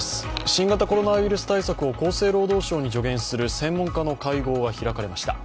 新型コロナウイルス対策を厚生労働省に助言する専門家の会合が開かれました。